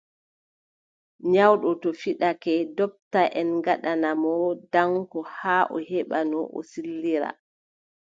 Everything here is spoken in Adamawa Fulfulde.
Nyawɗo to fiɗake, ndoptaʼen ngaɗana mo danko haa o heɓa no o sillira.